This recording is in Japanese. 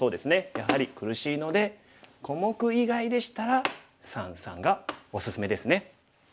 やはり苦しいので小目以外でしたら三々がおすすめですね。